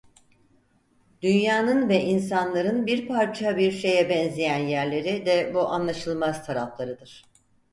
Dünyanın ve insanların bir parça bir şeye benzeyen yerleri de bu anlaşılmaz taraflarıdır.